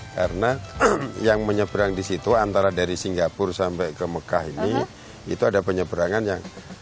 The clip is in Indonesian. karena yang menyebrang di situ antara dari singapura sampai ke mekah ini itu ada penyebrangannya